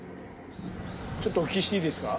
ちょっとお聞きしていいですか？